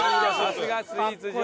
さすがスイーツ女王！